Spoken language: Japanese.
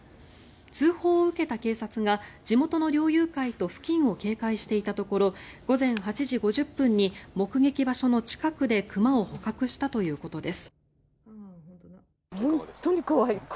通報を受けた警察が地元の猟友会と付近を警戒していたところ午前８時５０分に目撃場所の近くで熊を捕獲したということです。